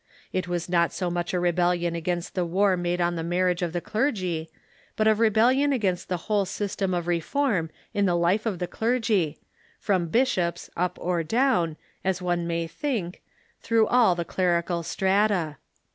It was not so much a rebellion against the war made on the marriage of the clergy, but of rebellion against the whole sj'stem of reform in the life of the clergy, from bishops, up or down, as one may think, through all the clerical strata.